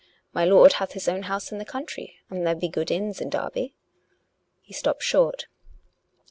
My lord hath his own house in the country, and there be good inns in Derby." He stopped short.